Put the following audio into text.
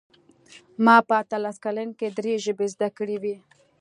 ما په اتلس کلنۍ کې درې ژبې زده کړې وې